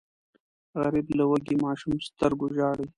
غریب له وږي ماشوم سترګو ژاړي